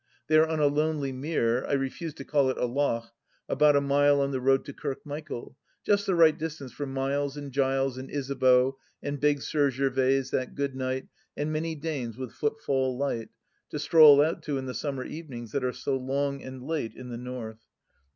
They are on a lonely mere — I refuse to call it a loch — about a mile on the road to Kirkmichael, just the right distance for " MUes, and Giles, and Isabeau, and big Sir Gervaise, that good knight, and many dames with footfall light," to stroll out to in the sum mer evenings that are so long and late in the North.